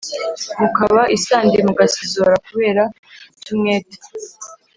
mukaba isandi mugasizora kubera guta umutwe